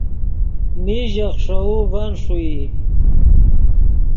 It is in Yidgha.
میش ژے خیݰوؤ ڤن ݰوئی